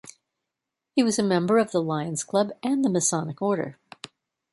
He was a member of the Lions Club and the Masonic Order.